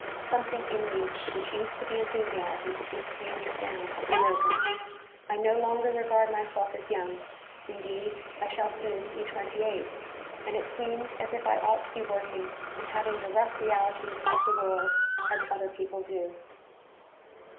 Something in me which used to be enthusiasm is tamed down and broken. I no longer regard myself as young indeed I shall soon be twenty eight and it seems as if I ought to be working and having the rough realities of the world as other people do.'